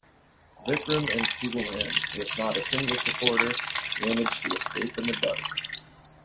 Vikram and Phoolan, with not a single supporter, managed to escape in the dark.